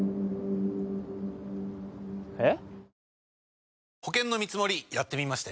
えっ！？